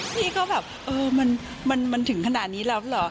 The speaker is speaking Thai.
พี่ก็แบบเออมันถึงขนาดนี้แล้วเหรอ